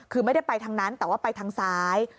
คือไม่ได้ไปทางนั้นแต่ว่าไปทางซ้าย